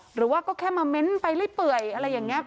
หรือว่าก็แค่มาเม้นไปเรื่อยอะไรอย่างนี้